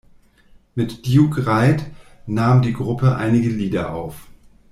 Mit Duke Reid nahm die Gruppe einige Lieder auf.